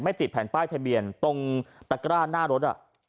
ไม่ติดแผ่นป้ายถ้ายเบียนตรงตระกร้าหน้ารถ